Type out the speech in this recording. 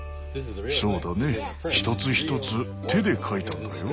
そうだね一つ一つ手で描いたんだよ。